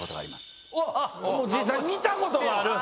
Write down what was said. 実際見たことがある！